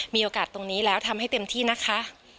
มีโอกาสตรงนี้แล้วทำให้เต็มที่นะคะ